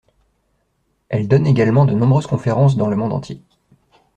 Elle donne également de nombreuses conférences dans le monde entier.